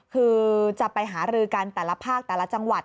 คือจะไปหารือกันแต่ละภาคแต่ละจังหวัด